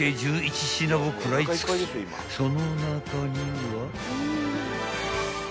［その中には］